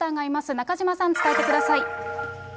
中島さん、伝えてください。